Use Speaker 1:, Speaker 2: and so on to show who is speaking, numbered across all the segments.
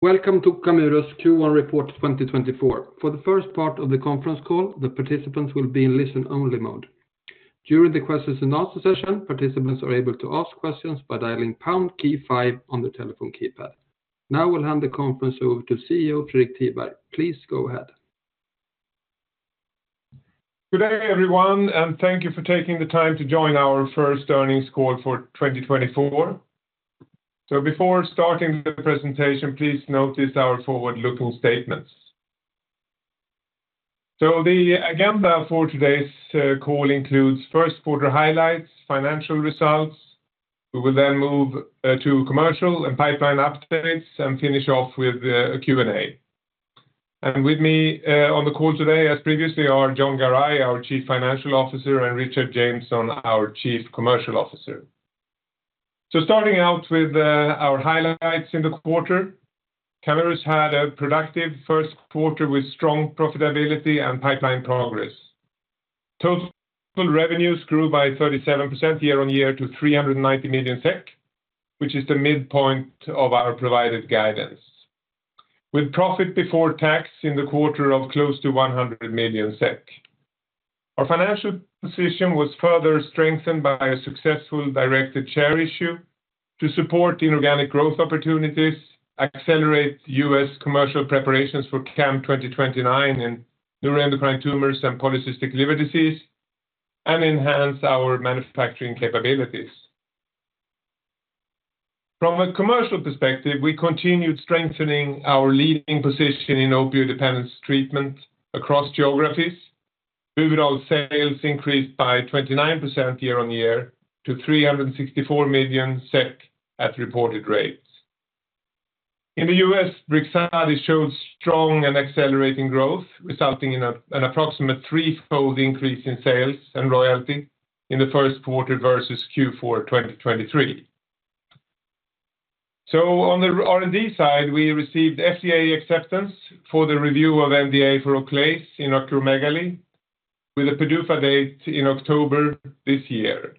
Speaker 1: Welcome to Camurus Q1 Report 2024. For the first part of the conference call, the participants will be in listen-only mode. During the questions and answer session, participants are able to ask questions by dialing pound key five on their telephone keypad. Now, I will hand the conference over to CEO, Fredrik Tiberg. Please go ahead.
Speaker 2: Good day, everyone, and thank you for taking the time to join our first earnings call for 2024. So before starting the presentation, please notice our forward-looking statements. So the agenda for today's call includes first quarter highlights, financial results. We will then move to commercial and pipeline updates, and finish off with a Q&A. And with me on the call today, as previously, are Jon Garay, our Chief Financial Officer, and Richard Jameson, our Chief Commercial Officer. So starting out with our highlights in the quarter, Camurus had a productive first quarter with strong profitability and pipeline progress. Total revenues grew by 37% year-on-year to 390 million SEK, which is the midpoint of our provided guidance, with profit before tax in the quarter of close to 100 million SEK. Our financial position was further strengthened by a successful directed share issue to support inorganic growth opportunities, accelerate US commercial preparations for CAM2029 in neuroendocrine tumors and polycystic liver disease, and enhance our manufacturing capabilities. From a commercial perspective, we continued strengthening our leading position in opioid dependence treatment across geographies. Buvidal sales increased by 29% year-on-year to 364 million SEK at reported rates. In the US, Brixadi showed strong and accelerating growth, resulting in an approximate threefold increase in sales and royalty in the first quarter versus Q4 2023. So on the R&D side, we received FDA acceptance for the review of NDA for CAM2029 in acromegaly, with a PDUFA date in October this year.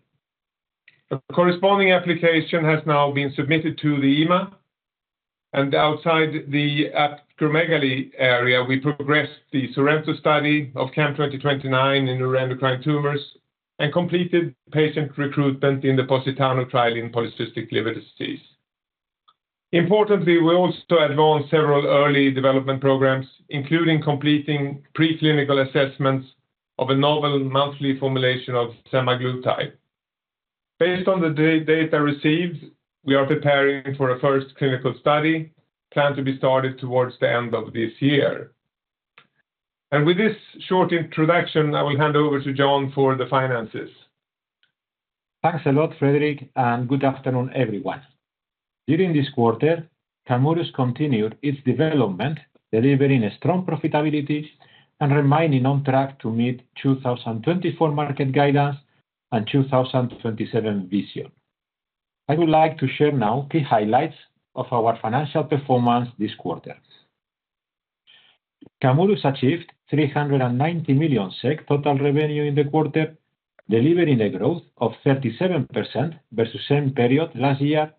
Speaker 2: A corresponding application has now been submitted to the EMA, and outside the acromegaly area, we progressed the SORRENTO study of CAM2029 in neuroendocrine tumors, and completed patient recruitment in the POSITANO trial in polycystic liver disease. Importantly, we also advanced several early development programs, including completing preclinical assessments of a novel monthly formulation of semaglutide. Based on the data received, we are preparing for a first clinical study, planned to be started towards the end of this year. With this short introduction, I will hand over to Jon for the finances.
Speaker 3: Thanks a lot, Fredrik, and good afternoon, everyone. During this quarter, Camurus continued its development, delivering a strong profitability and remaining on track to meet 2024 market guidance and 2027 vision. I would like to share now key highlights of our financial performance this quarter. Camurus achieved 390 million SEK total revenue in the quarter, delivering a growth of 37% versus same period last year,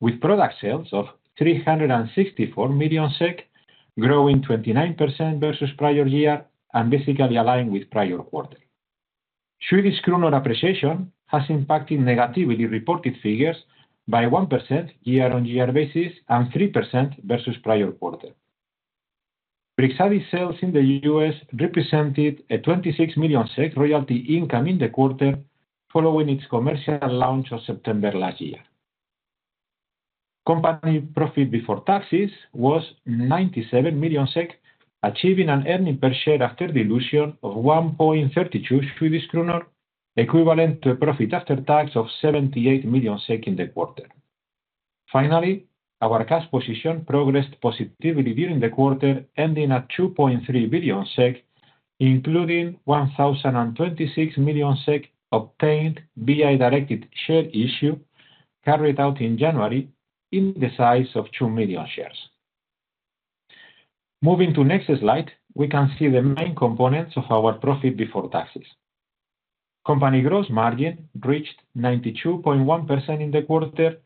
Speaker 3: with product sales of 364 million SEK, growing 29% versus prior year and basically aligned with prior quarter. Swedish krona appreciation has impacted negatively reported figures by 1% year-on-year basis and 3% versus prior quarter. Brixadi sales in the U.S. represented a 26 million royalty income in the quarter, following its commercial launch of September last year. Company profit before taxes was 97 million SEK, achieving an earning per share after dilution of 1.32 Swedish krona, equivalent to a profit after tax of SEK 78 million in the quarter. Finally, our cash position progressed positively during the quarter, ending at 2.3 billion SEK, including 1,026 million SEK obtained via directed share issue, carried out in January in the size of 2 million shares. Moving to next slide, we can see the main components of our profit before taxes. Company gross margin reached 92.1% in the quarter,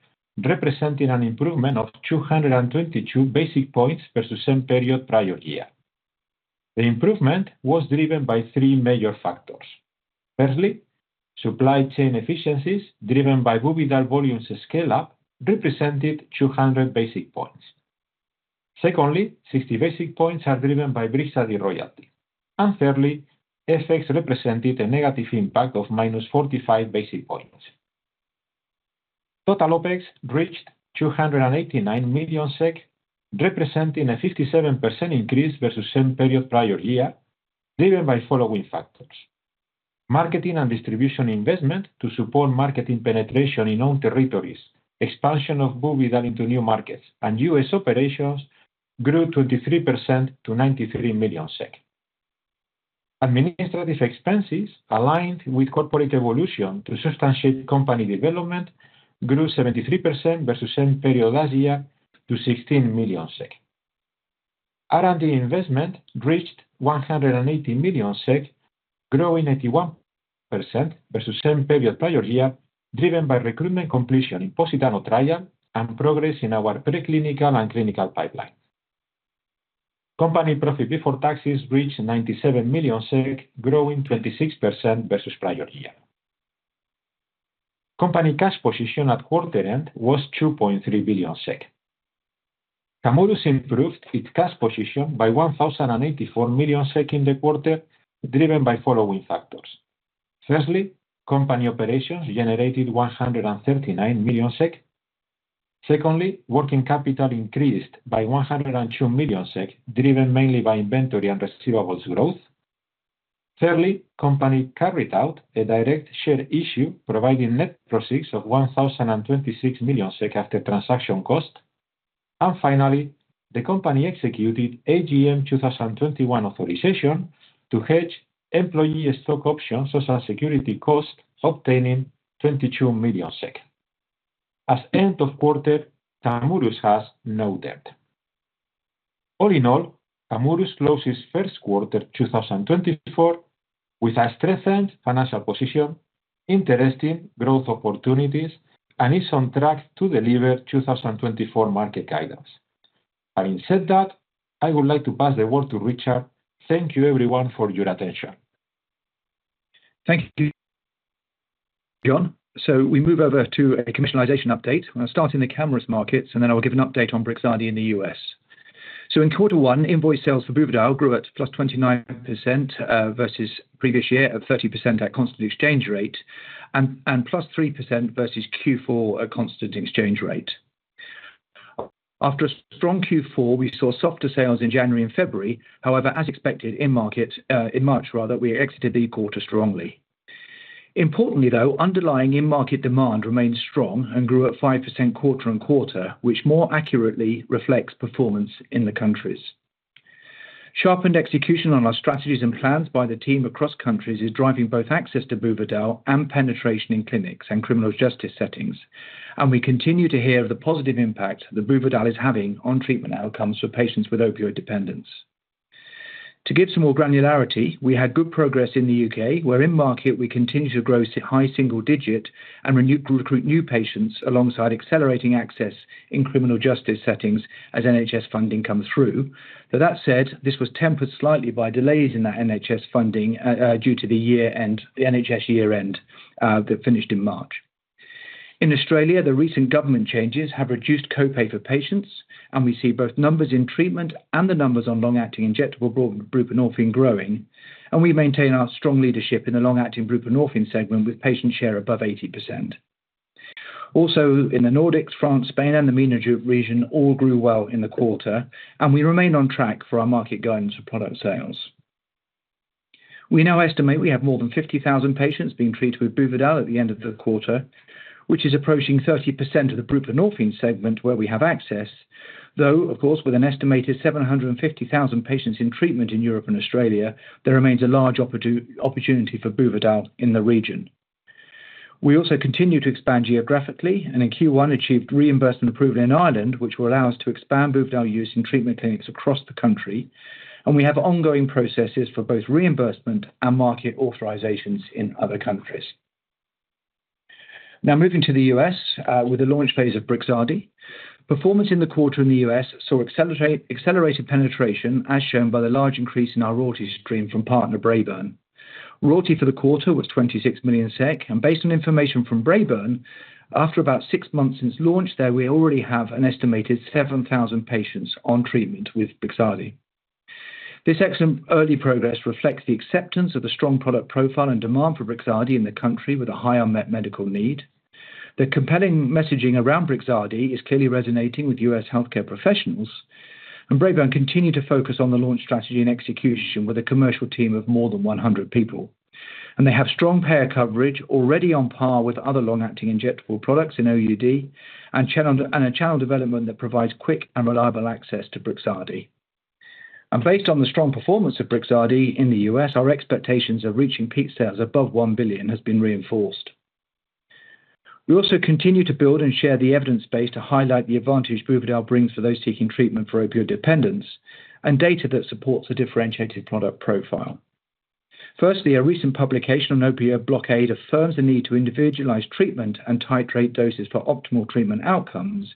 Speaker 3: representing an improvement of 222 basis points versus same period prior year. The improvement was driven by three major factors: firstly, supply chain efficiencies, driven by Buvidal volumes scale-up, represented 200 basis points. Secondly, 60 basis points are driven by Brixadi royalty. And thirdly, FX represented a negative impact of -45 basis points. Total OpEx reached 289 million SEK, representing a 57% increase versus same period prior year, driven by following factors. Marketing and distribution investment to support marketing penetration in own territories, expansion of Buvidal into new markets, and US operations grew 23% to 93 million SEK. Administrative expenses, aligned with corporate evolution to substantiate company development, grew 73% versus same period last year to 16 million SEK. R&D investment reached 180 million SEK, growing 81% versus same period prior year, driven by recruitment completion in Positano trial and progress in our preclinical and clinical pipeline. Company profit before taxes reached 97 million SEK, growing 26% versus prior year. Company cash position at quarter end was 2.3 billion SEK. Camurus improved its cash position by 1,084 million SEK in the quarter, driven by following factors: firstly, company operations generated 139 million SEK. Secondly, working capital increased by 102 million SEK, driven mainly by inventory and receivables growth. Thirdly, company carried out a direct share issue, providing net proceeds of 1,026 million SEK after transaction cost. And finally, the company executed AGM 2021 authorization to hedge employee stock options, social security costs, obtaining 22 million. At end of quarter, Camurus has no debt. All in all, Camurus closed its first quarter 2024 with a strengthened financial position, interesting growth opportunities, and is on track to deliver 2024 market guidance. Having said that, I would like to pass the word to Richard. Thank you everyone for your attention.
Speaker 4: Thank you, Jon. We move over to a commercialization update, and I'll start in the Camurus markets, and then I'll give an update on Brixadi in the U.S. In quarter one, invoice sales for Buvidal grew at +29% versus previous year, at 30% at constant exchange rate, and +3% versus Q4 at constant exchange rate. After a strong Q4, we saw softer sales in January and February. However, as expected, in March, rather, we exited the quarter strongly. Importantly, though, underlying in-market demand remained strong and grew at 5% quarter-on-quarter, which more accurately reflects performance in the countries. Sharpened execution on our strategies and plans by the team across countries is driving both access to Buvidal and penetration in clinics and criminal justice settings. We continue to hear the positive impact that Buvidal is having on treatment outcomes for patients with opioid dependence. To give some more granularity, we had good progress in the UK, where in market we continue to grow high single digit and recruit new patients alongside accelerating access in criminal justice settings as NHS funding comes through. But that said, this was tempered slightly by delays in that NHS funding due to the year-end, the NHS year end, that finished in March. In Australia, the recent government changes have reduced co-pay for patients, and we see both numbers in treatment and the numbers on long-acting injectable buprenorphine growing. And we maintain our strong leadership in the long-acting buprenorphine segment, with patient share above 80%. Also, in the Nordics, France, Spain, and the MENA region, all grew well in the quarter, and we remain on track for our market guidance for product sales. We now estimate we have more than 50,000 patients being treated with Buvidal at the end of the quarter, which is approaching 30% of the buprenorphine segment where we have access. Though, of course, with an estimated 750,000 patients in treatment in Europe and Australia, there remains a large opportunity for Buvidal in the region. We also continue to expand geographically, and in Q1, achieved reimbursement approval in Ireland, which will allow us to expand Buvidal use in treatment clinics across the country. And we have ongoing processes for both reimbursement and market authorizations in other countries. Now moving to the U.S., with the launch phase of Brixadi. Performance in the quarter in the U.S. saw accelerated penetration, as shown by the large increase in our royalty stream from partner Braeburn. Royalty for the quarter was 26 million SEK, and based on information from Braeburn, after about 6 months since launch there, we already have an estimated 7,000 patients on treatment with Brixadi. This excellent early progress reflects the acceptance of the strong product profile and demand for Brixadi in the country with a high unmet medical need. The compelling messaging around Brixadi is clearly resonating with U.S. healthcare professionals, and Braeburn continue to focus on the launch strategy and execution with a commercial team of more than 100 people. And they have strong payer coverage already on par with other long-acting injectable products in OUD, and channel uptake, and a channel development that provides quick and reliable access to Brixadi. Based on the strong performance of Brixadi in the U.S., our expectations of reaching peak sales above $1 billion has been reinforced. We also continue to build and share the evidence base to highlight the advantage Buvidal brings for those seeking treatment for opioid dependence, and data that supports a differentiated product profile. Firstly, a recent publication on opioid blockade affirms the need to individualize treatment and titrate doses for optimal treatment outcomes,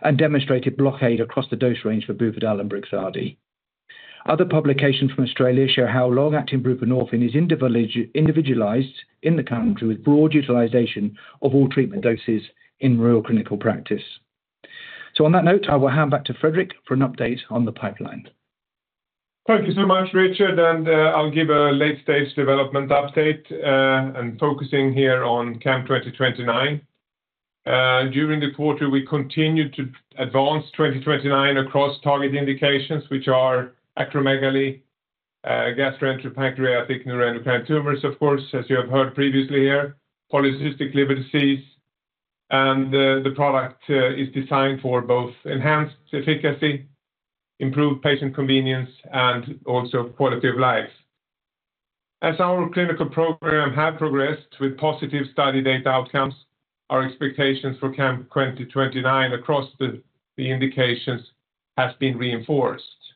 Speaker 4: and demonstrated blockade across the dose range for Buvidal and Brixadi. Other publications from Australia show how long-acting buprenorphine is individualized in the country, with broad utilization of all treatment doses in real clinical practice. So on that note, I will hand back to Fredrik for an update on the pipeline.
Speaker 2: Thank you so much, Richard, and, I'll give a late stage development update, and focusing here on CAM2029. During the quarter, we continued to advance 2029 across target indications, which are acromegaly, gastroenteropancreatic neuroendocrine tumors, of course, as you have heard previously here, polycystic liver disease. And the product is designed for both enhanced efficacy, improved patient convenience, and also quality of lives.... As our clinical program have progressed with positive study data outcomes, our expectations for CAM2029 across the indications has been reinforced.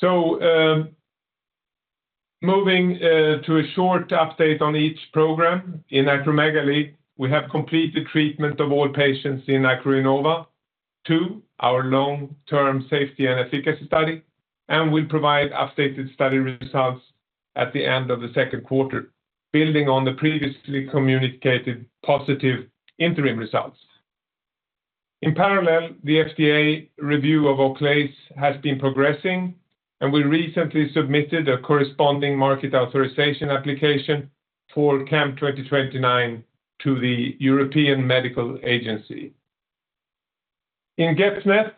Speaker 2: So, moving to a short update on each program. In acromegaly, we have completed treatment of all patients in ACROINNOVA 2, our long-term safety and efficacy study, and we provide updated study results at the end of the second quarter, building on the previously communicated positive interim results. In parallel, the FDA review of CAM2029 has been progressing, and we recently submitted a corresponding market authorization application for CAM2029 to the European Medicines Agency. In GEP-NET,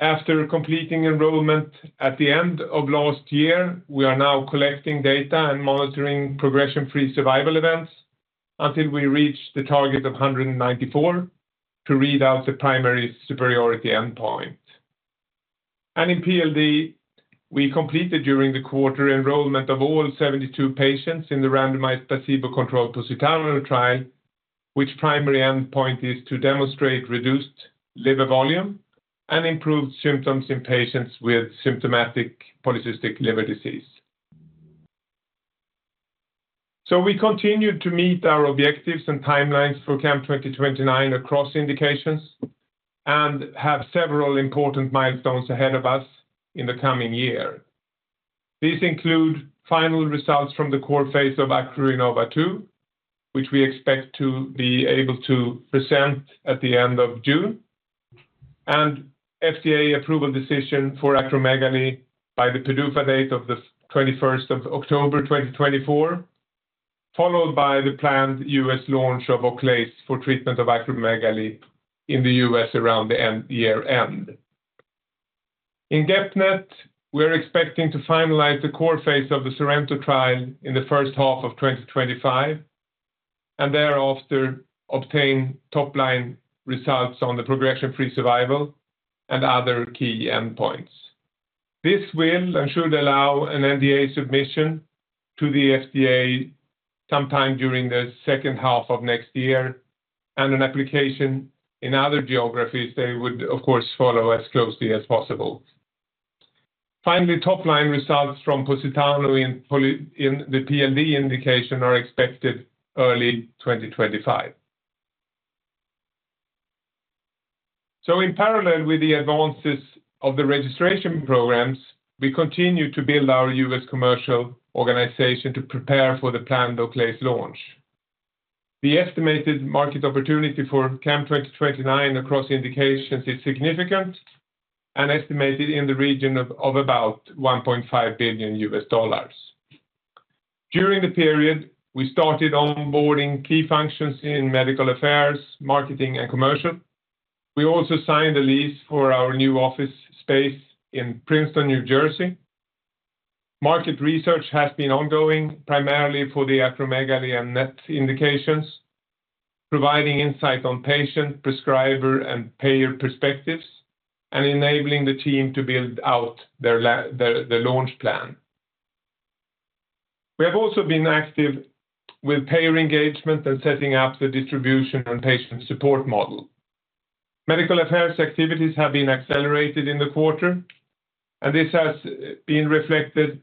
Speaker 2: after completing enrollment at the end of last year, we are now collecting data and monitoring progression-free survival events until we reach the target of 194 to read out the primary superiority endpoint. In PLD, we completed during the quarter enrollment of all 72 patients in the randomized placebo-controlled POSITANO trial, which primary endpoint is to demonstrate reduced liver volume and improved symptoms in patients with symptomatic polycystic liver disease. We continued to meet our objectives and timelines for CAM2029 across indications, and have several important milestones ahead of us in the coming year. These include final results from the core phase of ACROINNOVA, which we expect to be able to present at the end of June, and FDA approval decision for acromegaly by the PDUFA date of the 21st of October 2024, followed by the planned U.S. launch of Ozenxo for treatment of acromegaly in the U.S. around year-end. In GEP-NET, we're expecting to finalize the core phase of the Sorrento trial in the first half of 2025, and thereafter obtain top-line results on the progression-free survival and other key endpoints. This will and should allow an NDA submission to the FDA sometime during the second half of next year, and an application in other geographies, they would, of course, follow as closely as possible. Finally, top-line results from Positano in the PLD indication are expected early 2025. So in parallel with the advances of the registration programs, we continue to build our US commercial organization to prepare for the planned CAM2029 launch. The estimated market opportunity for CAM2029 across indications is significant and estimated in the region of about $1.5 billion. During the period, we started onboarding key functions in medical affairs, marketing, and commercial. We also signed a lease for our new office space in Princeton, New Jersey. Market research has been ongoing, primarily for the acromegaly and NET indications, providing insight on patient, prescriber, and payer perspectives, and enabling the team to build out their, the launch plan. We have also been active with payer engagement and setting up the distribution and patient support model. Medical affairs activities have been accelerated in the quarter, and this has been reflected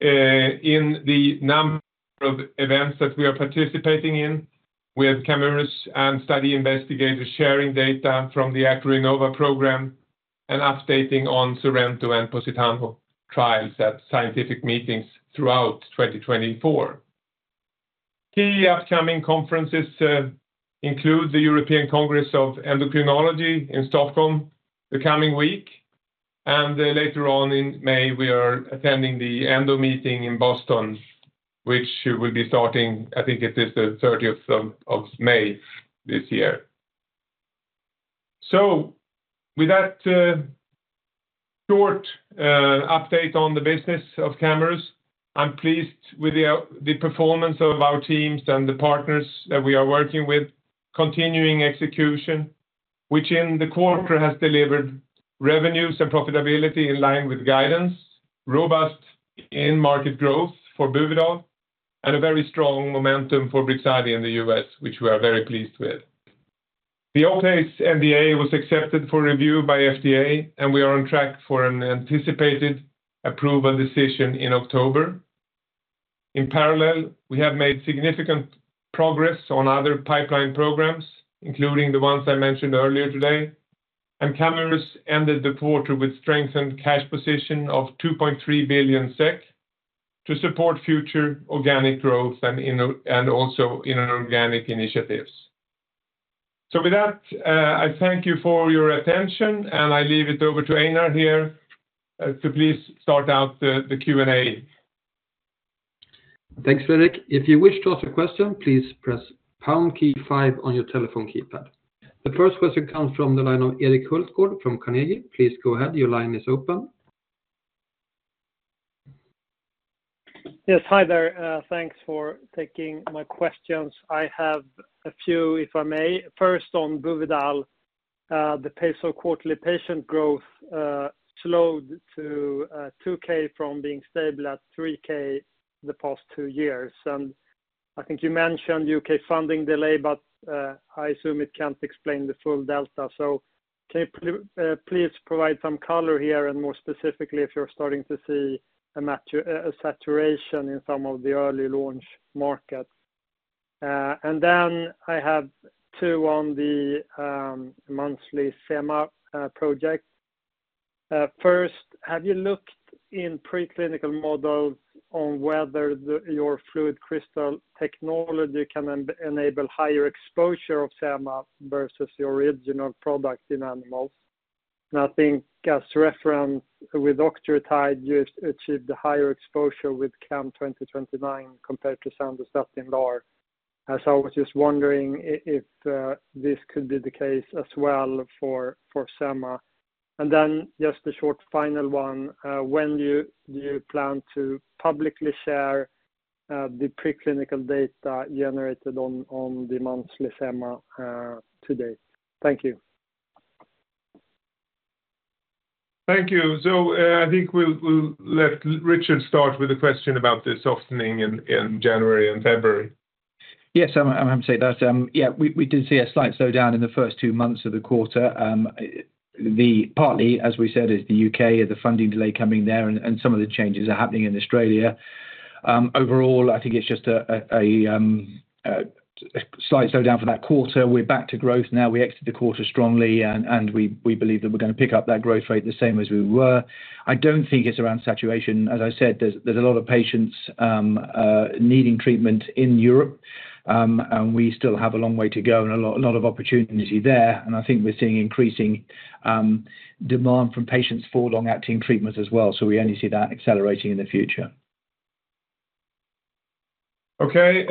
Speaker 2: in the number of events that we are participating in, with Camurus and study investigators sharing data from the ACROINNOVA program and updating on SORRENTO and POSITANO trials at scientific meetings throughout 2024. Key upcoming conferences include the European Congress of Endocrinology in Stockholm the coming week, and then later on in May, we are attending the ENDO meeting in Boston, which will be starting, I think it is the 30th of May this year. With that short update on the business of Camurus, I'm pleased with the performance of our teams and the partners that we are working with, continuing execution, which in the quarter has delivered revenues and profitability in line with guidance, robust in-market growth for Buvidal, and a very strong momentum for Brixadi in the US, which we are very pleased with. The Brixadi NDA was accepted for review by FDA, and we are on track for an anticipated approval decision in October. In parallel, we have made significant progress on other pipeline programs, including the ones I mentioned earlier today, and Camurus ended the quarter with strengthened cash position of 2.3 billion SEK to support future organic growth and ino- and also in inorganic initiatives. So with that, I thank you for your attention, and I leave it over to Einar here, to please start out the Q&A.
Speaker 1: Thanks, Fredrik. If you wish to ask a question, please press pound key five on your telephone keypad. The first question comes from the line of Erik Hultgård from Carnegie. Please go ahead, your line is open. ...
Speaker 5: Yes, hi there. Thanks for taking my questions. I have a few, if I may. First, on Buvidal, the pace of quarterly patient growth slowed to 2,000 from being stable at 3,000 the past two years. And I think you mentioned UK funding delay, but I assume it can't explain the full delta. So can you please provide some color here, and more specifically, if you're starting to see a saturation in some of the early launch markets? And then I have two on the monthly sema project. First, have you looked in preclinical models on whether your FluidCrystal technology can enable higher exposure of sema versus the original product in animals? I think, as reference with octreotide, you achieved a higher exposure with CAM2029 compared to Sandostatin LAR. So I was just wondering if this could be the case as well for sema. Then just a short final one, when do you plan to publicly share the preclinical data generated on the monthly semaglutide? Thank you.
Speaker 2: Thank you. So, I think we'll let Richard start with a question about the softening in January and February.
Speaker 4: Yes, I'm happy to say that, yeah, we did see a slight slowdown in the first two months of the quarter. That's partly, as we said, the UK funding delay coming there and some of the changes happening in Australia. Overall, I think it's just a slight slowdown for that quarter. We're back to growth now. We exited the quarter strongly, and we believe that we're gonna pick up that growth rate the same as we were. I don't think it's around saturation. As I said, there's a lot of patients needing treatment in Europe, and we still have a long way to go and a lot of opportunity there, and I think we're seeing increasing demand from patients for long-acting treatments as well. We only see that accelerating in the future.
Speaker 2: Okay,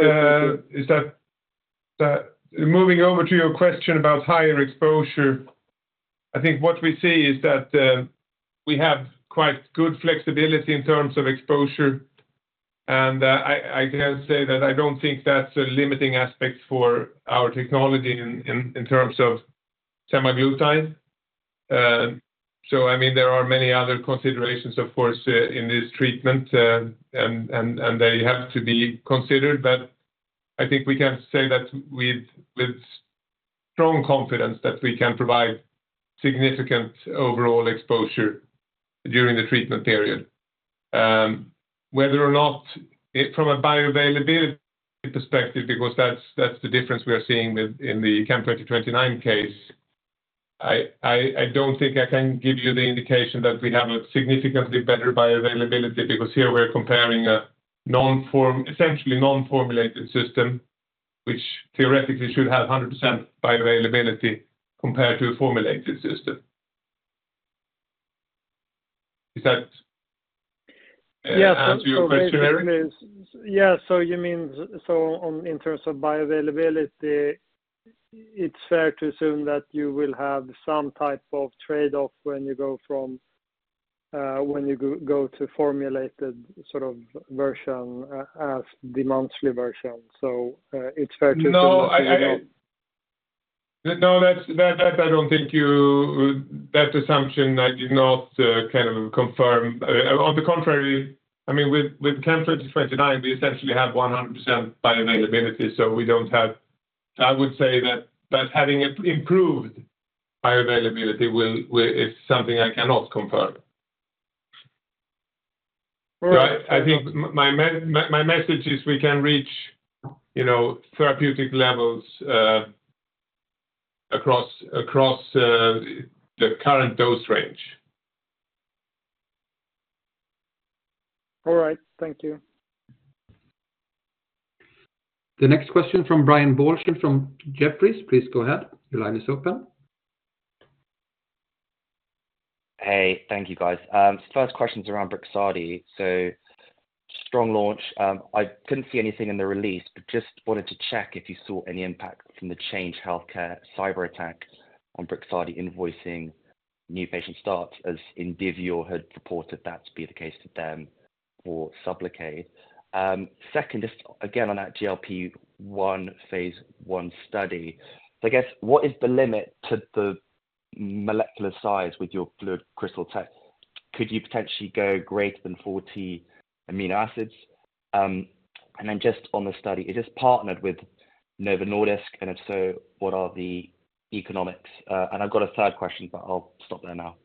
Speaker 2: moving over to your question about higher exposure, I think what we see is that we have quite good flexibility in terms of exposure, and I can say that I don't think that's a limiting aspect for our technology in terms of Semaglutide. So I mean, there are many other considerations, of course, in this treatment, and they have to be considered. But I think we can say that with strong confidence that we can provide significant overall exposure during the treatment period. Whether or not it from a bioavailability perspective, because that's the difference we are seeing with in the CAM2029 case, I don't think I can give you the indication that we have a significantly better bioavailability, because here we're comparing a essentially non-formulated system, which theoretically should have 100% bioavailability compared to a formulated system. Is that-
Speaker 5: Yeah
Speaker 2: - answer your question, Erik?
Speaker 5: Yeah, so you mean, so on, in terms of bioavailability, it's fair to assume that you will have some type of trade-off when you go from, when you go to formulated sort of version, as the monthly version. So, it's fair to assume that-
Speaker 2: No, that's that I don't think you-- that assumption I did not kind of confirm. On the contrary, I mean, with CAM2029, we essentially have 100% bioavailability, so we don't have-- I would say that, but having improved bioavailability is something I cannot confirm.
Speaker 5: All right.
Speaker 2: I think my message is we can reach, you know, therapeutic levels across the current dose range.
Speaker 5: All right. Thank you.
Speaker 1: The next question from Brian Balchin, from Jefferies. Please go ahead. Your line is open.
Speaker 6: Hey, thank you, guys. First question's around Brixadi. So strong launch. I couldn't see anything in the release, but just wanted to check if you saw any impact from the Change Healthcare cyberattack on Brixadi invoicing new patient starts, as Indivior had reported that to be the case to them or Sublocade. Second, just again, on that GLP-1 phase 1 study, I guess, what is the limit to the molecular size with your FluidCrystal tech? Could you potentially go greater than 40 amino acids? And then just on the study, it is partnered with Novo Nordisk, and if so, what are the economics? And I've got a third question, but I'll stop there now.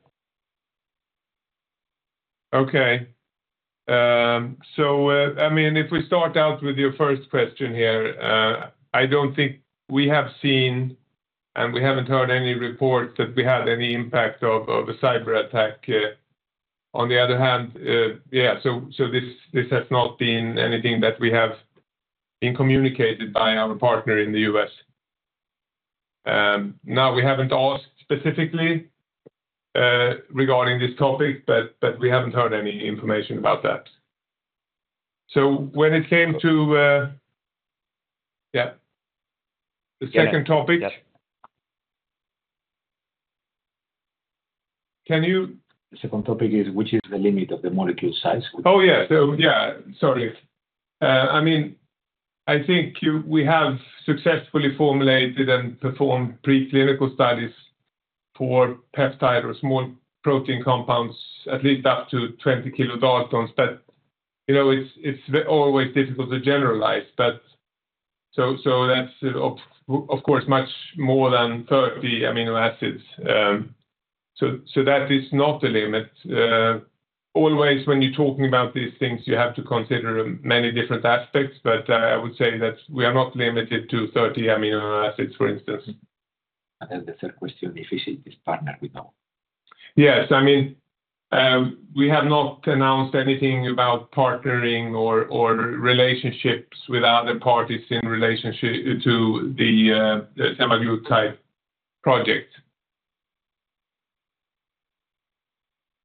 Speaker 2: Okay. So, I mean, if we start out with your first question here, I don't think we have seen, and we haven't heard any reports that we had any impact of a cyberattack. On the other hand, this has not been anything that we have been communicated by our partner in the US. Now, we haven't asked specifically regarding this topic, but we haven't heard any information about that. So when it came to the second topic? Can you?
Speaker 3: The second topic is, which is the limit of the molecule size?
Speaker 2: Oh, yeah. So, yeah, sorry. I mean, I think we have successfully formulated and performed preclinical studies for peptide or small protein compounds, at least up to 20 kilodaltons. But, you know, it's always difficult to generalize, but so that's of course much more than 30 amino acids. So that is not the limit. Always, when you're talking about these things, you have to consider many different aspects, but I would say that we are not limited to 30 amino acids, for instance.
Speaker 3: And then the third question, if it is partner we know.
Speaker 2: Yes. I mean, we have not announced anything about partnering or relationships with other parties in relationship to the Semaglutide project.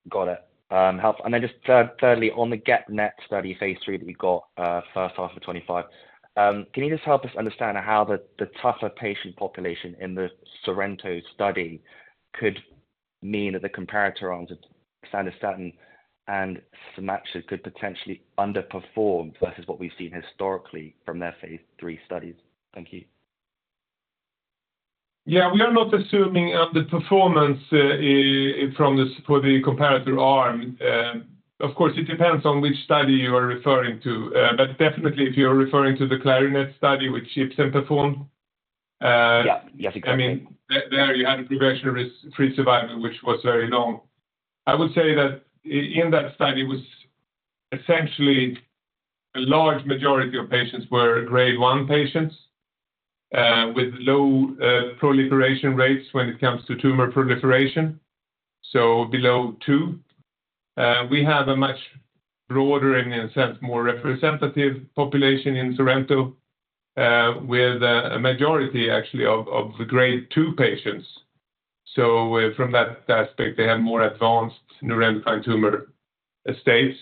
Speaker 6: Got it. And then just thirdly, on the GEP-NET study phase 3 that you got first half of 2025, can you just help us understand how the tougher patient population in the Sorrento study could mean that the comparator arms of Somatuline and Sandostatin could potentially underperform versus what we've seen historically from their phase 3 studies? Thank you.
Speaker 2: Yeah, we are not assuming the performance from the comparator arm. Of course, it depends on which study you are referring to. But definitely, if you're referring to the CLARINET study, which Ipsen performed.
Speaker 6: Yeah, yes, exactly.
Speaker 2: I mean, there you had a progression-free survival, which was very long. I would say that in that study, it was essentially a large majority of patients were Grade one patients, with low proliferation rates when it comes to tumor proliferation, so below two. We have a much broader and, in a sense, more representative population in Sorrento, with a majority actually of the Grade two patients. So from that aspect, they have more advanced neuroendocrine tumor states.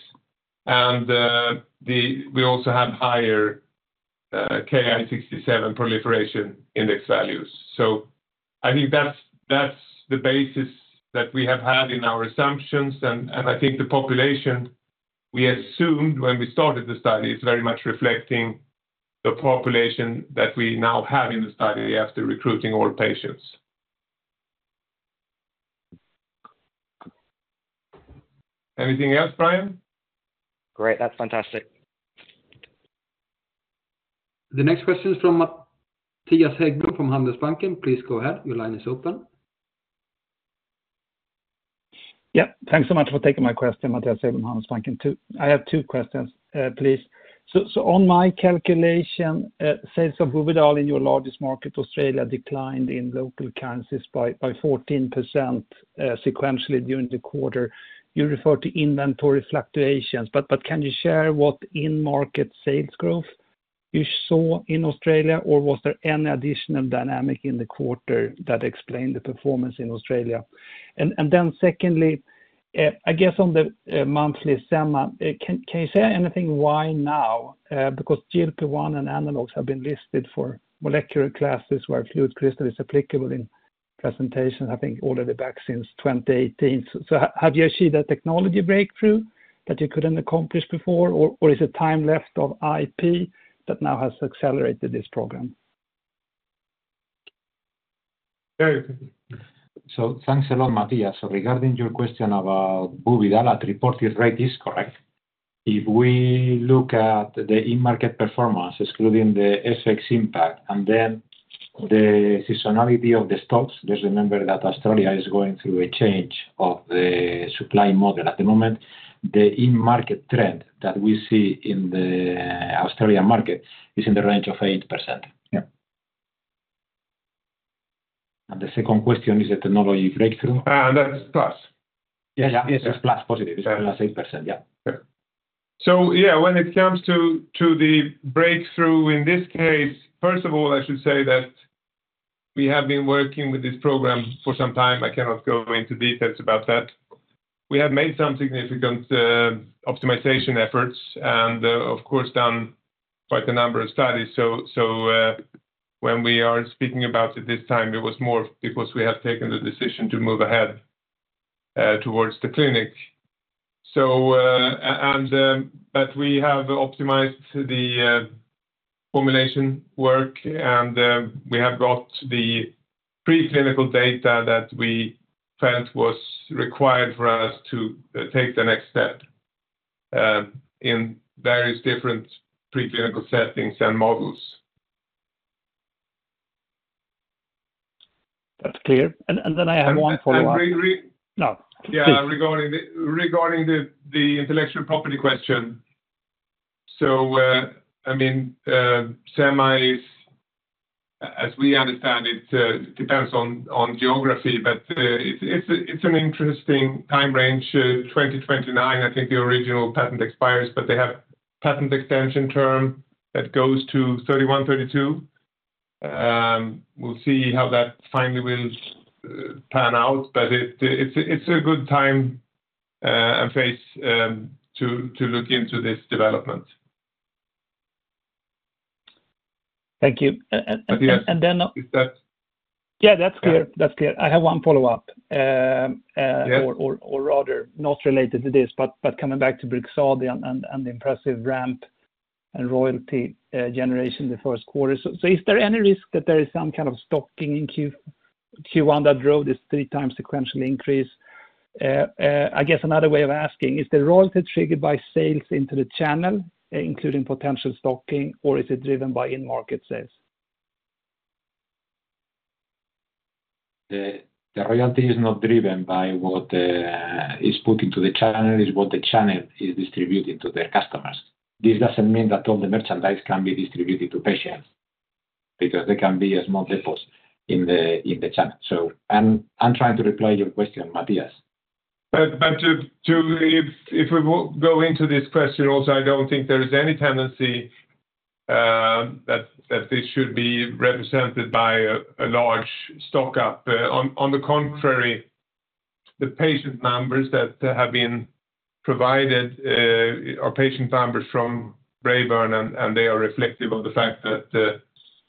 Speaker 2: We also have higher Ki-67 proliferation index values. So I think that's the basis that we have had in our assumptions. And I think the population we assumed when we started the study is very much reflecting the population that we now have in the study after recruiting all patients. Anything else, Brian?
Speaker 6: Great. That's fantastic.
Speaker 1: The next question is from Mattias Häggblom, from Handelsbanken. Please go ahead. Your line is open.
Speaker 7: Yeah, thanks so much for taking my question, Mattias Häggblom, from Handelsbanken. I have two questions, please. So on my calculation, sales of Buvidal in your largest market, Australia, declined in local currencies by 14%, sequentially, during the quarter. You refer to inventory fluctuations, but can you share what in-market sales growth you saw in Australia, or was there any additional dynamic in the quarter that explained the performance in Australia? And then secondly, I guess on the monthly sema, can you say anything why now? Because GLP-1 and analogues have been listed for molecular classes where FluidCrystal is applicable in presentation, I think, already back since 2018. So have you achieved a technology breakthrough that you couldn't accomplish before, or is it time left of IP that now has accelerated this program?
Speaker 2: Very-
Speaker 3: So thanks a lot, Mattias. So regarding your question about Buvidal, at report, your rate is correct. If we look at the in-market performance, excluding the FX impact and then the seasonality of the stocks, just remember that Australia is going through a change of the supply model. At the moment, the in-market trend that we see in the Australian market is in the range of 8%. Yeah. And the second question is a technology breakthrough?
Speaker 2: That's plus.
Speaker 3: Yeah, yeah. It's plus, positive. It's +8%. Yeah.
Speaker 2: So yeah, when it comes to the breakthrough, in this case, first of all, I should say that we have been working with this program for some time. I cannot go into details about that. We have made some significant optimization efforts and, of course, done quite a number of studies. So, when we are speaking about it this time, it was more because we have taken the decision to move ahead towards the clinic. So, but we have optimized the formulation work, and we have got the preclinical data that we felt was required for us to take the next step in various different preclinical settings and models.
Speaker 7: That's clear. And then I have one follow-up-
Speaker 2: And, and re- re-
Speaker 7: No, please.
Speaker 2: Yeah, regarding the intellectual property question. So, I mean, Sema's, as we understand it, depends on geography, but it's an interesting time range. 2029, I think the original patent expires, but they have patent extension term that goes to 2031, 2032. We'll see how that finally will pan out, but it's a good time and phase to look into this development. ...
Speaker 7: Thank you. And then-
Speaker 2: Is that-
Speaker 7: Yeah, that's clear. That's clear. I have one follow-up,
Speaker 2: Yeah...
Speaker 7: or rather not related to this, but coming back to Brixadi and the impressive ramp and royalty generation in the first quarter. So is there any risk that there is some kind of stocking in Q1 that drove this three times sequential increase? I guess another way of asking, is the royalty triggered by sales into the channel, including potential stocking, or is it driven by end market sales?
Speaker 3: The royalty is not driven by what is put into the channel. It's what the channel is distributing to their customers. This doesn't mean that all the merchandise can be distributed to patients, because there can be a small deposit in the channel. So I'm trying to reply your question, Mattias.
Speaker 2: But if we go into this question also, I don't think there is any tendency that this should be represented by a large stock-up. On the contrary, the patient numbers that have been provided are patient numbers from Braeburn, and they are reflective of the fact that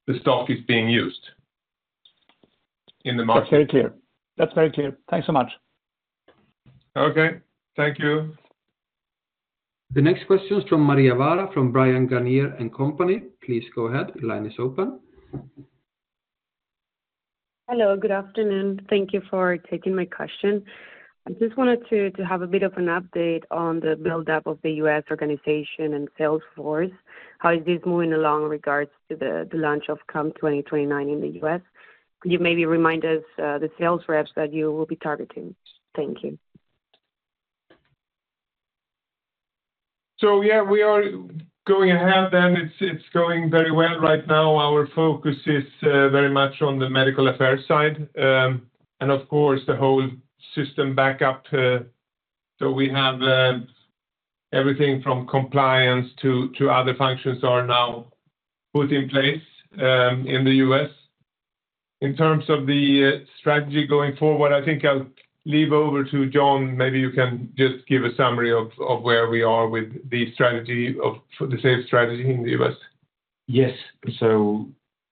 Speaker 2: the stock is being used in the market.
Speaker 7: That's very clear. That's very clear. Thanks so much.
Speaker 2: Okay, thank you.
Speaker 1: The next question is from Maria Vara, from Bryan, Garnier & Co. Please go ahead. The line is open.
Speaker 8: Hello, good afternoon. Thank you for taking my question. I just wanted to have a bit of an update on the build-up of the US organization and sales force. How is this moving along in regards to the launch of CAM2029 in the US? Could you maybe remind us the sales reps that you will be targeting? Thank you.
Speaker 2: So yeah, we are going ahead, and it's going very well right now. Our focus is very much on the medical affairs side, and of course, the whole system back up to... So we have everything from compliance to other functions are now put in place in the US. In terms of the strategy going forward, I think I'll leave over to Jon. Maybe you can just give a summary of where we are with the strategy for the sales strategy in the US.
Speaker 3: Yes. So,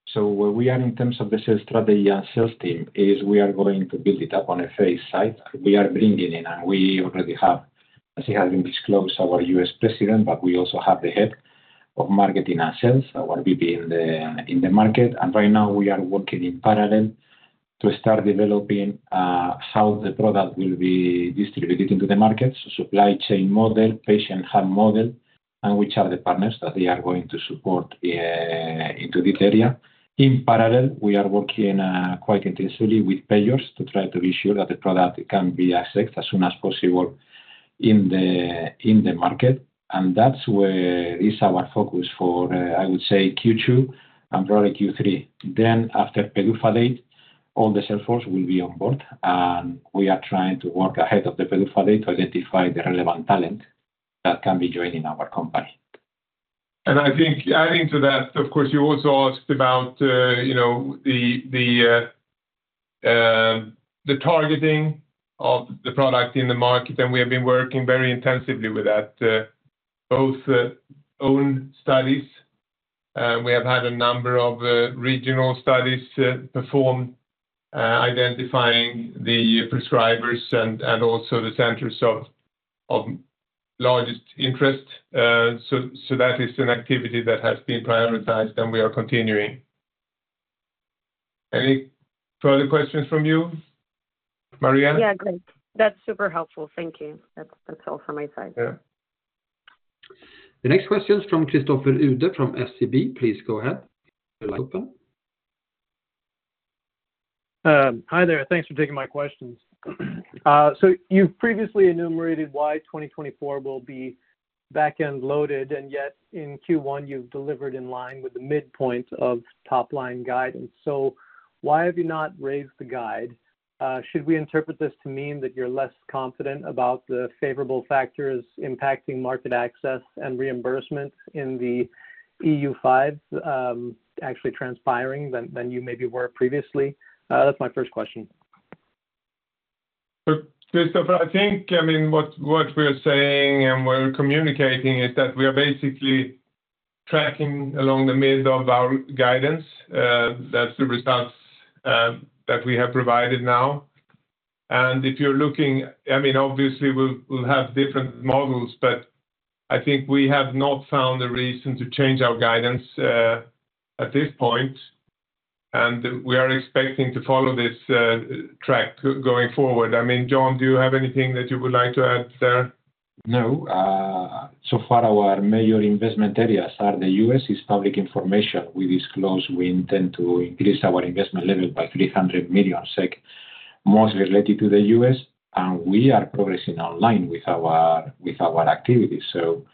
Speaker 3: so where we are in terms of the sales strategy and sales team is we are going to build it up on a phase side. We are bringing in, and we already have, as it has been disclosed, our U.S. president, but we also have the head of marketing and sales, our VP in the, in the market. And right now we are working in parallel to start developing how the product will be distributed into the market, supply chain model, patient hub model, and which are the partners that we are going to support into this area. In parallel, we are working quite intensely with payers to try to be sure that the product can be accessed as soon as possible in the, in the market. And that's where is our focus for, I would say Q2 and probably Q3. After PDUFA date, all the sales force will be on board, and we are trying to work ahead of the PDUFA date to identify the relevant talent that can be joining our company.
Speaker 2: And I think adding to that, of course, you also asked about, you know, the targeting of the product in the market, and we have been working very intensively with that, both own studies. We have had a number of regional studies performed, identifying the prescribers and also the centers of largest interest. So that is an activity that has been prioritized, and we are continuing. Any further questions from you, Maria?
Speaker 8: Yeah, great. That's super helpful. Thank you. That's, that's all from my side.
Speaker 2: Yeah.
Speaker 1: The next question is from Christopher Uhde, from SEB. Please go ahead. The line is open.
Speaker 9: Hi there. Thanks for taking my questions. So you've previously enumerated why 2024 will be back-end loaded, and yet in Q1, you've delivered in line with the midpoint of top-line guidance. So why have you not raised the guide? Should we interpret this to mean that you're less confident about the favorable factors impacting market access and reimbursement in the EU five, actually transpiring than, than you maybe were previously? That's my first question.
Speaker 2: So Christopher, I think, I mean, what we're saying and what we're communicating is that we are basically tracking along the mid of our guidance. That's the results that we have provided now. And if you're looking... I mean, obviously, we'll have different models, but I think we have not found a reason to change our guidance at this point, and we are expecting to follow this track going forward. I mean, Jon, do you have anything that you would like to add there?
Speaker 3: No. So far, our major investment areas are the US. It's public information. We disclose we intend to increase our investment level by 300 million SEK, mostly related to the US, and we are progressing online with our activities. So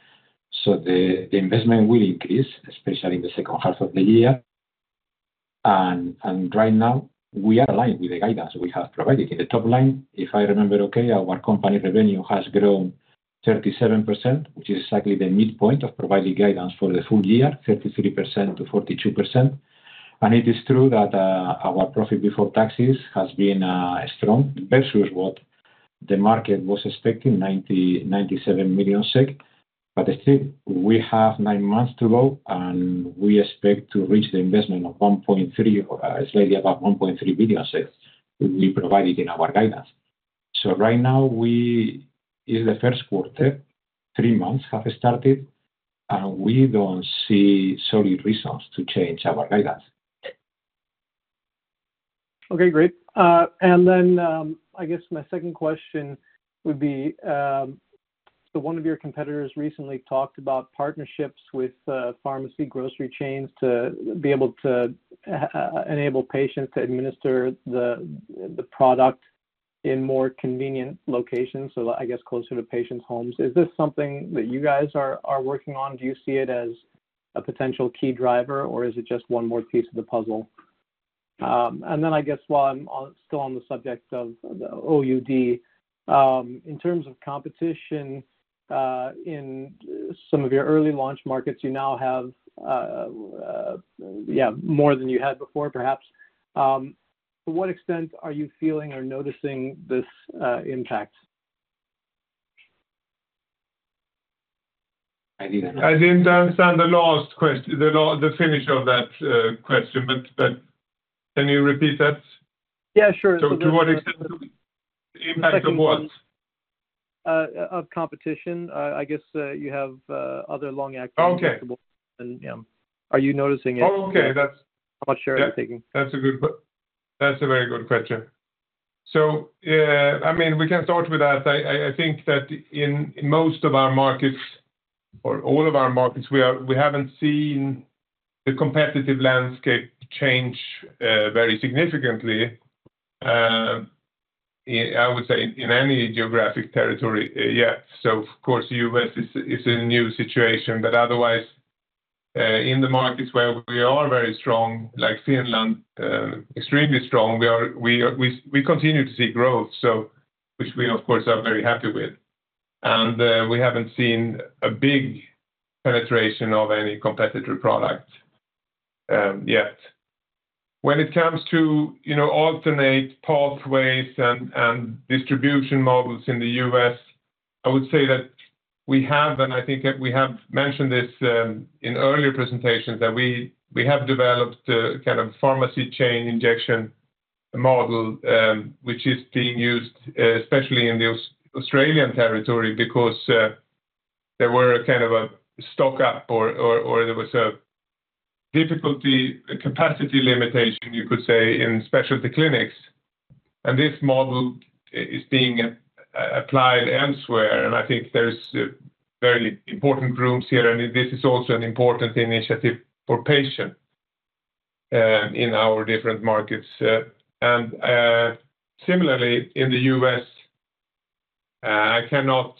Speaker 3: the investment will increase, especially in the second half of the year. And right now we are aligned with the guidance we have provided. In the top line, if I remember okay, our company revenue has grown 37%, which is exactly the midpoint of providing guidance for the full year, 33%-42%. And it is true that, our profit before taxes has been strong versus what?... The market was expecting 97 million SEK, but I think we have nine months to go, and we expect to reach the investment of 1.3 billion or slightly above 1.3 billion we provided in our guidance. So right now, we, is the first quarter, three months have started, and we don't see solid reasons to change our guidance.
Speaker 9: Okay, great. And then, I guess my second question would be, so one of your competitors recently talked about partnerships with pharmacy grocery chains to be able to enable patients to administer the product in more convenient locations, so I guess closer to patients' homes. Is this something that you guys are working on? Do you see it as a potential key driver, or is it just one more piece of the puzzle? And then I guess while I'm still on the subject of OUD, in terms of competition, in some of your early launch markets, you now have, yeah, more than you had before, perhaps. To what extent are you feeling or noticing this impact?
Speaker 3: I didn't-
Speaker 2: I didn't understand the last, the end of that question, but, but can you repeat that?
Speaker 9: Yeah, sure.
Speaker 2: So to what extent? The impact of what?
Speaker 9: of competition. I guess, you have, other long acting-
Speaker 2: Okay.
Speaker 9: Yeah. Are you noticing it?
Speaker 2: Oh, okay. That's-
Speaker 9: How much share you're taking?
Speaker 2: That's a good—that's a very good question. So, I mean, we can start with that. I think that in most of our markets or all of our markets, we are—we haven't seen the competitive landscape change very significantly. I would say, in any geographic territory, yet. So of course, U.S. is a new situation, but otherwise, in the markets where we are very strong, like Finland, extremely strong, we continue to see growth, so which we, of course, are very happy with. And, we haven't seen a big penetration of any competitor product, yet. When it comes to, you know, alternate pathways and distribution models in the US, I would say that we have, and I think that we have mentioned this in earlier presentations, that we have developed a kind of pharmacy chain injection model, which is being used, especially in the Australian territory, because there was a kind of a stock up or there was a difficulty, capacity limitation, you could say, in specialty clinics. And this model is being applied elsewhere, and I think there's very important rooms here, and this is also an important initiative for patient in our different markets. And, similarly, in the US, I cannot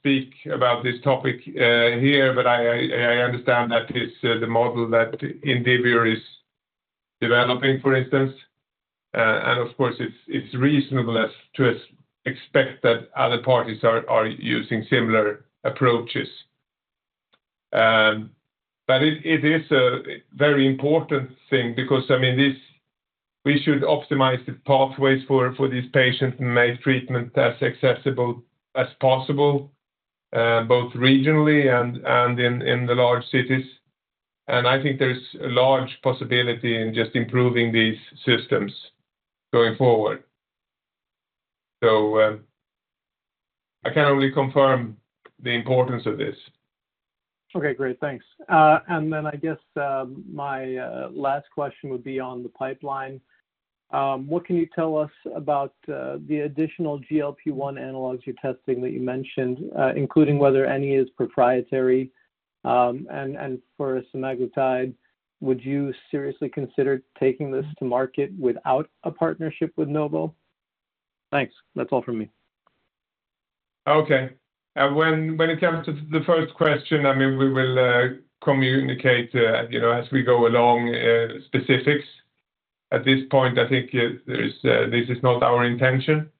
Speaker 2: speak about this topic here, but I understand that it's the model that Indivior is developing, for instance. And of course, it's reasonable as to expect that other parties are using similar approaches. But it is a very important thing because, I mean, this, we should optimize the pathways for these patients and make treatment as accessible as possible, both regionally and in the large cities. And I think there's a large possibility in just improving these systems going forward. So, I can only confirm the importance of this.
Speaker 9: Okay, great. Thanks. And then I guess my last question would be on the pipeline. What can you tell us about the additional GLP-1 analogs testing that you mentioned, including whether any is proprietary? And for Semaglutide, would you seriously consider taking this to market without a partnership with Novo? Thanks. That's all from me.
Speaker 2: Okay. When, when it comes to the first question, I mean, we will communicate, you know, as we go along, specifics. At this point, I think it- there is... This is not our intention,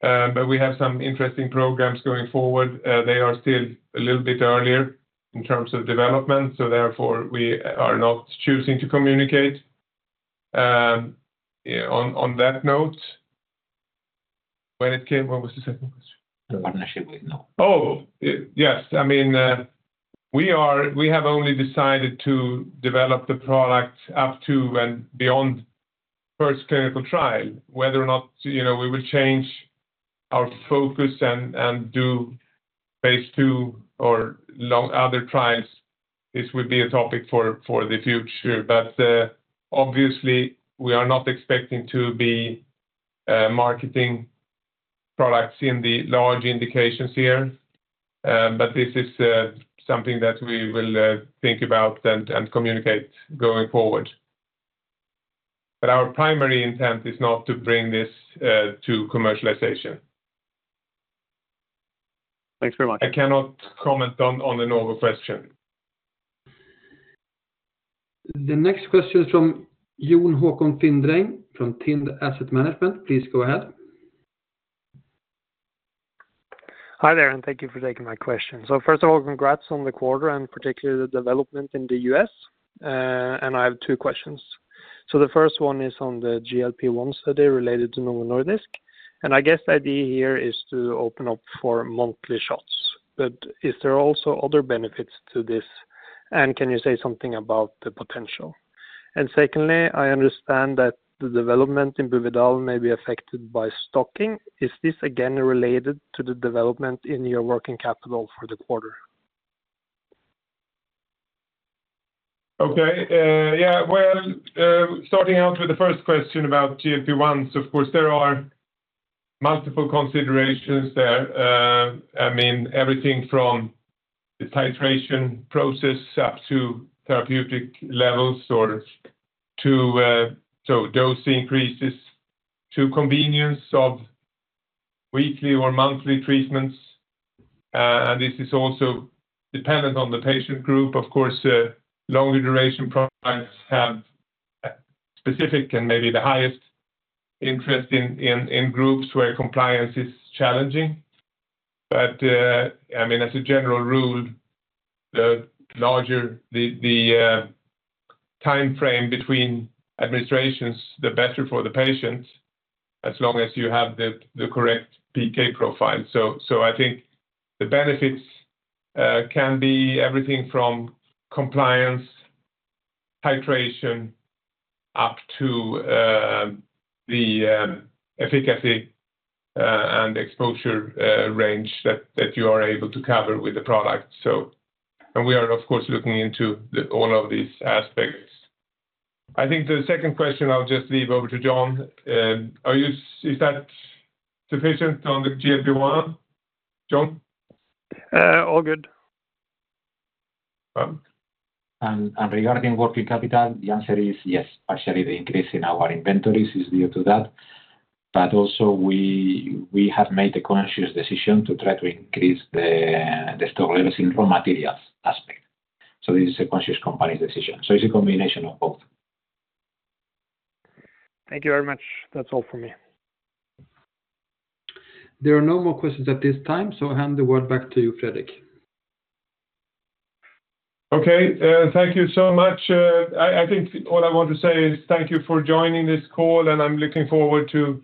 Speaker 2: but we have some interesting programs going forward. They are still a little bit earlier in terms of development, so therefore, we are not choosing to communicate. Yeah, on, on that note, when it came... What was the second question?
Speaker 3: The partnership with Novo.
Speaker 2: Oh, yes. I mean, we have only decided to develop the product up to and beyond first clinical trial. Whether or not, you know, we will change our focus and do phase two or long other trials, this would be a topic for the future. But, obviously, we are not expecting to be marketing products in the large indications here, but this is something that we will think about and communicate going forward. But our primary intent is not to bring this to commercialization.
Speaker 9: Thanks very much.
Speaker 2: I cannot comment on the Novo question.
Speaker 1: The next question is from Jon Håkon Tindreng from Tind Asset Management. Please go ahead. ...
Speaker 10: Hi there, and thank you for taking my question. So first of all, congrats on the quarter and particularly the development in the U.S. And I have two questions. So the first one is on the GLP-1 study related to Novo Nordisk. And I guess the idea here is to open up for monthly shots. But is there also other benefits to this, and can you say something about the potential? And secondly, I understand that the development in Buvidal may be affected by stocking. Is this again related to the development in your working capital for the quarter?
Speaker 2: Okay. Yeah, well, starting out with the first question about GLP-1, so of course, there are multiple considerations there. I mean, everything from the titration process up to therapeutic levels or to, so dosing increases to convenience of weekly or monthly treatments. And this is also dependent on the patient group. Of course, longer duration products have specific and maybe the highest interest in groups where compliance is challenging. But, I mean, as a general rule, the larger the time frame between administrations, the better for the patient, as long as you have the correct PK profile. So I think the benefits can be everything from compliance, titration, up to the efficacy and exposure range that you are able to cover with the product, so. We are, of course, looking into all of these aspects. I think the second question, I'll just leave over to Jon. Is that sufficient on the GLP-1, Jon?
Speaker 10: All good.
Speaker 2: Um.
Speaker 3: Regarding working capital, the answer is yes, partially the increase in our inventories is due to that. But also we have made a conscious decision to try to increase the stock levels in raw materials aspect. So this is a conscious company decision. So it's a combination of both.
Speaker 10: Thank you very much. That's all for me.
Speaker 1: There are no more questions at this time, so I'll hand the word back to you, Fredrik.
Speaker 2: Okay, thank you so much. I think all I want to say is thank you for joining this call, and I'm looking forward to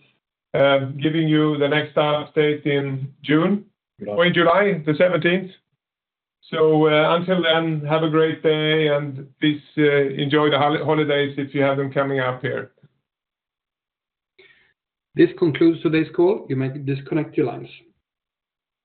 Speaker 2: giving you the next update in June or in July, the seventeenth. So, until then, have a great day, and please enjoy the holidays if you have them coming up here.
Speaker 1: This concludes today's call. You may disconnect your lines.